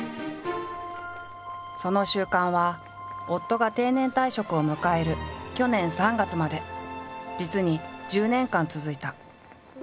その習慣は夫が定年退職を迎える去年３月まで実に１０年間続いた。